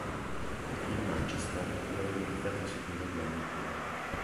Il Manchester lo aveva iniziato a seguire due anni prima.